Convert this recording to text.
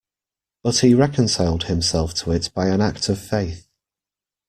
But he reconciled himself to it by an act of faith.